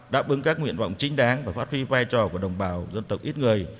đáp ứng các nguyện vọng chính đáng và phát huy vai trò của đồng bào dân tộc ít người